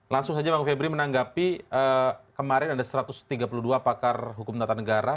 langsung saja bang febri menanggapi kemarin ada satu ratus tiga puluh dua pakar hukum tata negara